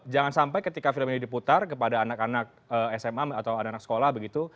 jangan sampai ketika film ini diputar kepada anak anak sma atau anak anak sekolah begitu